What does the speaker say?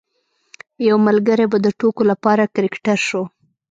یو ملګری به د ټوکو لپاره کرکټر شو.